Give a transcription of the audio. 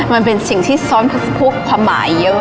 มันเป็นสิ่งที่ซ้อมทุกความหมายเยอะ